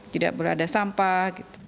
tidak boleh ada sampah gitu